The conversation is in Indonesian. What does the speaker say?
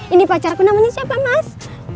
ini pacarku namanya siapa mas